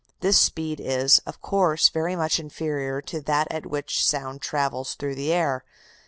This speed is, of course, very much inferior to that at which sound travels through the air.